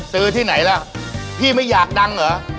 ซื้อที่ไหนแล้วพี่ไม่อยากดังหรือ